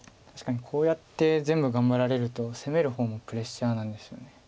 確かにこうやって全部頑張られると攻める方もプレッシャーなんですよね。